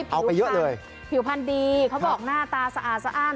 เอาไปเยอะเลยผิวพันธุ์ดีเขาบอกหน้าตาสะอาดสะอ้าน